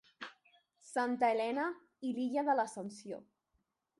Santa Helena i l'illa de l'Ascensió.